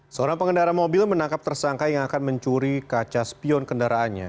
seorang pengendara mobil menangkap tersangka yang akan mencuri kaca spion kendaraannya